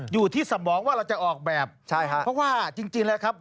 อยู่ที่สมองว่าเราจะออกแบบเพราะว่าจริงแหละครับ